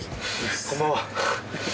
こんばんは。